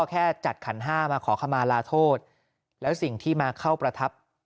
แค่จัดขันห้ามาขอขมาลาโทษแล้วสิ่งที่มาเข้าประทับ